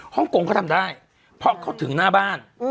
ฮงกงเขาทำได้เพราะเขาถึงหน้าบ้าน